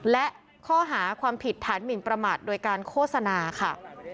และข้อหาความผิดฐานหมินประมาทโดยการโฆษณาค่ะ